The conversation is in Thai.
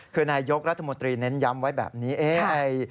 คือนายยกรัฐมนตรีเน้นย้ำไว้แบบนี้